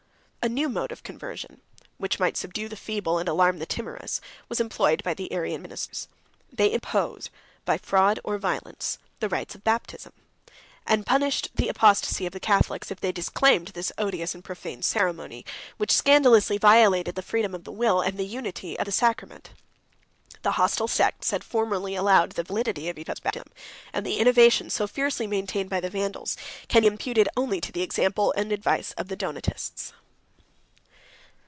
A new mode of conversion, which might subdue the feeble, and alarm the timorous, was employed by the Arian ministers. They imposed, by fraud or violence, the rites of baptism; and punished the apostasy of the Catholics, if they disclaimed this odious and profane ceremony, which scandalously violated the freedom of the will, and the unity of the sacrament. 106 The hostile sects had formerly allowed the validity of each other's baptism; and the innovation, so fiercely maintained by the Vandals, can be imputed only to the example and advice of the Donatists.